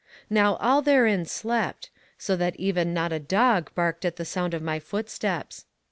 Now all therein slept, so even that not a dog barked at the sound of my footsteps.